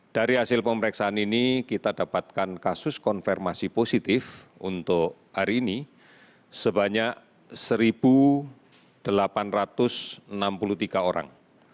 dari hasil pemeriksaan ini kita dapatkan kasus konfirmasi positif untuk hari ini sebanyak satu delapan ratus enam puluh tiga orang